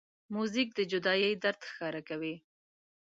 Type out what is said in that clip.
موزیک د جدایۍ درد ښکاره کوي.